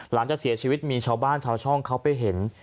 หลังจากเสียชีวิตมีชาวบ้านชาวช่องเขาไปเห็น